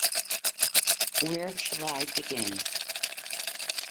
Where shall I begin?